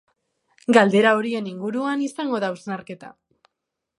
Galdera horien inguruan izango da hausnarketa.